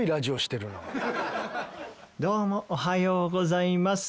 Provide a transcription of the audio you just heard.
どうもおはようございます。